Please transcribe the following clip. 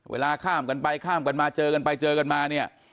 เวลาข้ามกันไปข้ามกันมาเจอกันไปเจอกันมาเนี่ย